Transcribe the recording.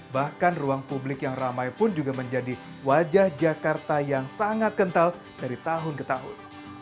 bahkan ruang publik yang ramai pun juga menjadi wajah jakarta yang sangat kental dari tahun ke tahun